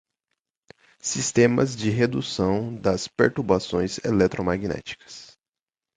sistemas de redução das perturbações eletromagnéticas